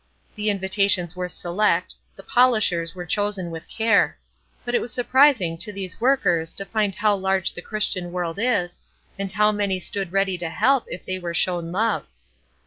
The invitations were select, the "polishers" were chosen with care; but it was surprising to these workers to find how large the Christian world is, and how many stood ready to help if they were shown love.